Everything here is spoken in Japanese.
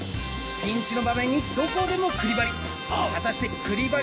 ピンチの場面にどこでもクリバリ。